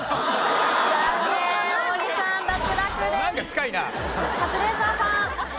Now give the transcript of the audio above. カズレーザーさん。